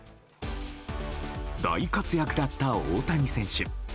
大活躍だった大谷選手。